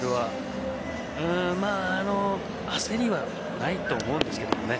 焦りはないと思うんですけどね。